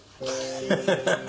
ハハハハ。